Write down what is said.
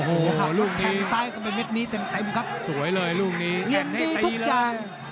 โอ้โหลูกนี้สวยเลยลูกนี้เรียนตีทุกอย่าง